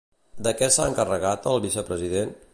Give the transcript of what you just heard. De què s'ha encarregat el vicepresident?